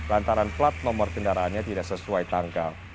lantaran plat nomor kendaraannya tidak sesuai tanggal